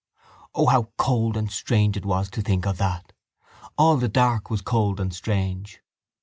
O how cold and strange it was to think of that! All the dark was cold and strange.